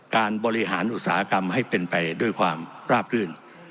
การบริหารอุตสาหกรรมให้เป็นไปด้วยความราบรื่น